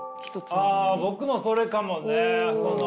あ僕もそれかもね。